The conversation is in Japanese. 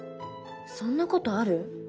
そんなことある？